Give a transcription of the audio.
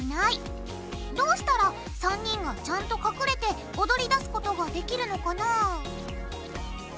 どうしたら３人がちゃんと隠れて踊りだすことができるのかな？